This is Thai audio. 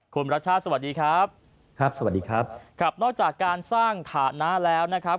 คุณรักษาสวัสดีครับนอกจากการสร้างฐานะแล้วนะครับ